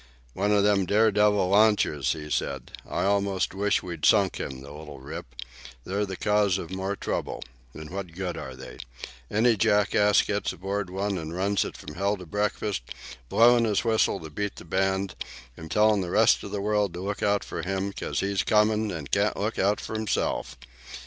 "One of them dare devil launches," he said. "I almost wish we'd sunk him, the little rip! They're the cause of more trouble. And what good are they? Any jackass gets aboard one and runs it from hell to breakfast, blowin' his whistle to beat the band and tellin' the rest of the world to look out for him, because he's comin' and can't look out for himself!